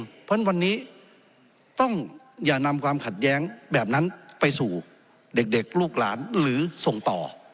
เพราะฉะนั้นวันนี้ต้องอย่านำความขัดแย้งแบบนั้นไปสู่เด็กลูกหลานหรือส่งต่อ